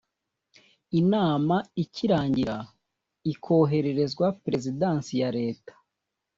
inama ikirangira ikohererezwa Perezidansi ya leta